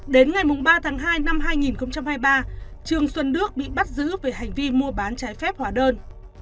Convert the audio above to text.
đến ngày ba tháng hai năm hai nghìn hai mươi ba trương xuân đức bị bắt giữ về hành vi mua bán trái phép hóa đơn